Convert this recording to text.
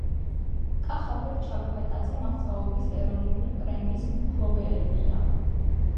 კახაბერ ჩაკვეტაძე მასწავლებლის ეროვნული პრემიის მფლობელია